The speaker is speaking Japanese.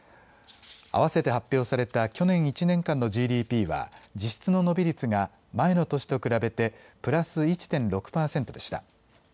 あわせて発表された去年１年間のＧＤＰは実質の伸び率が前の年と比べてプラス１．６％でした。